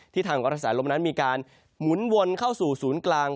ทางกระแสลมนั้นมีการหมุนวนเข้าสู่ศูนย์กลาง